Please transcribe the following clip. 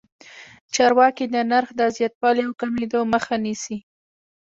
چارواکي د نرخ د زیاتوالي او کمېدو مخه نیسي.